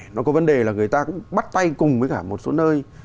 nó có vấn đề là người ta cũng bắt tay cùng với cả một số nơi